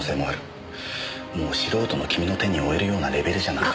もう素人の君の手に負えるようなレベルじゃない。